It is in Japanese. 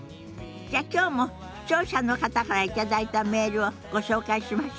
じゃきょうも視聴者の方から頂いたメールをご紹介しましょうか。